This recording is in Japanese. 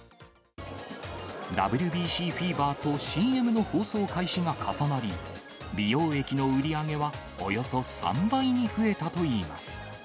ＷＢＣフィーバーとＣＭの放送開始が重なり、美容液の売り上げはおよそ３倍に増えたといいます。